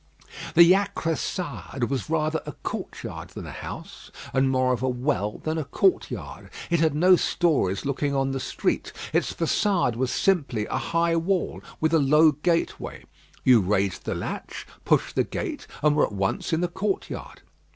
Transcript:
The Jacressade was rather a courtyard than a house; and more of a well than a courtyard. It had no stories looking on the street. Its façade was simply a high wall, with a low gateway. You raised the latch, pushed the gate, and were at once in the courtyard.